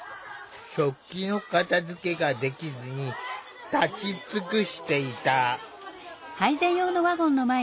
食器の片づけができずに立ち尽くしていた。